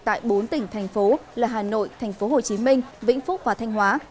tại bốn tỉnh thành phố là hà nội tp hcm vĩnh phúc và thanh hóa